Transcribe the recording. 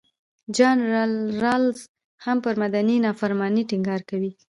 جان رالز هم پر مدني نافرمانۍ ټینګار کوي.